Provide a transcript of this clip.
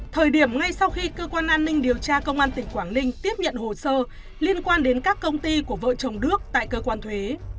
thời điểm ngay sau khi cơ quan an ninh điều tra công an tỉnh quảng ninh tiếp nhận hồ sơ liên quan đến các công ty của vợ chồng đức tại cơ quan thuế